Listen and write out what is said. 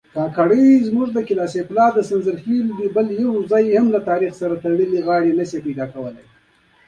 رومي وایي تاسو پټ او قیمتي الماس یاست.